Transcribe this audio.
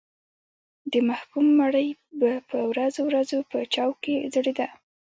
د محکوم مړی به په ورځو ورځو په چوک کې ځړېده.